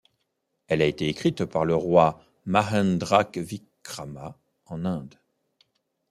Elle a été écrite par le roi Mahendravikrama en Inde.